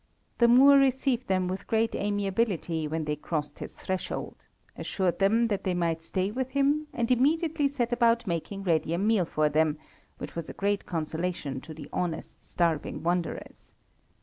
The Moor received them with great amiability when they crossed his threshold, assured them that they might stay with him, and immediately set about making ready a meal for them, which was a great consolation to the honest, starving wanderers.